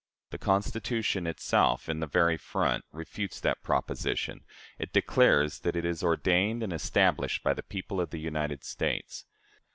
The Constitution itself, in its very front, refutes that proposition: it declares that it is ordained and established by the people of the United States.